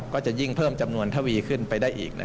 ก็จะยิ่งเพิ่มจำนวนทวีขึ้นไปได้อีก